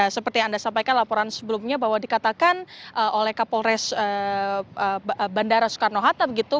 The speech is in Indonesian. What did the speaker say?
seperti yang anda sampaikan laporan sebelumnya bahwa dikatakan oleh kapolres bandara soekarno hatta begitu